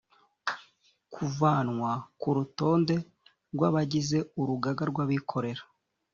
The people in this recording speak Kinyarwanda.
kuvanwa ku rutonde rw abagize urugaga rw’abikorera